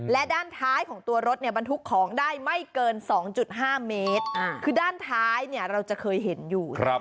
และด้านท้ายของตัวรถบรรทุกของได้ไม่เกิน๒๕เมตรคือด้านท้ายเราจะเคยเห็นอยู่